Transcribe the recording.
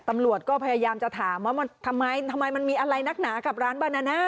ตำรวจก็พยายามจะถามว่ามันทำไมมันมีอะไรนักหนากับร้านบานาน่า